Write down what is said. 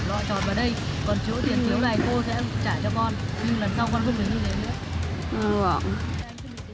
còn chỗ tiền thiếu này cô sẽ trả cho con